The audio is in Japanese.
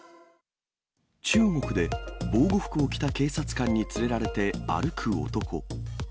中国で防護服を着た警察官に連れられて歩く男。